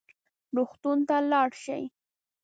روغتون ته لاړ شئ